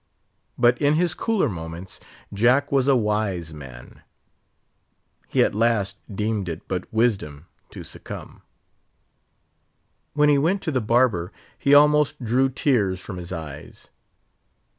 But in his cooler moments, Jack was a wise man; he at last deemed it but wisdom to succumb. When he went to the barber he almost drew tears from his eyes.